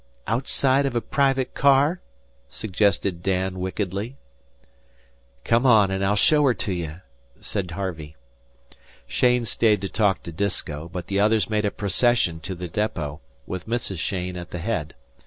"Outside of a private car?" suggested Dan, wickedly. "Come on, and I'll show her to you," said Harvey. Cheyne stayed to talk with Disko, but the others made a procession to the depot, with Mrs. Cheyne at the head.